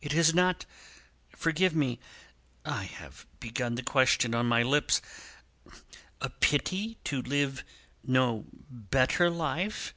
"Is it not forgive me; I have begun the question on my lips a pity to live no better life?"